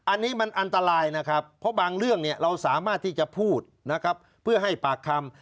อันนี้มันอันตรายนะครับเพราะบางเรื่องเราสามารถที่จะพูดนะครับเพื่อให้ปากคำ